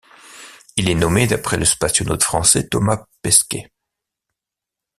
Il est nommé d'après le spationaute français Thomas Pesquet.